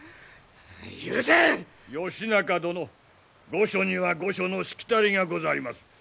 御所には御所のしきたりがございます。